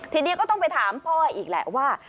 ทีนี้ก็ต้องไปถามพ่ออีกแหละว่า